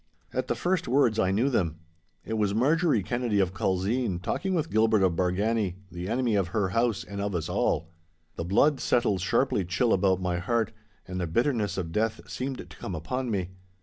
At the first words I knew them. It was Marjorie Kennedy of Culzean talking with Gilbert of Bargany, the enemy of her house and of us all. The blood settled sharply chill about my heart, and the bitterness of death seemed to come upon me.